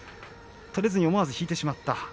取れずに思わず引いてしまった。